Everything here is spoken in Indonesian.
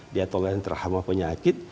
dia toleran terhama penyakit